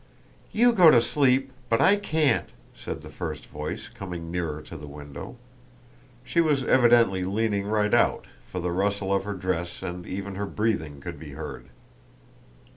"You go to sleep, but I can't," said the first voice, coming nearer to the window. She was evidently leaning right out, for the rustle of her dress and even her breathing could be heard.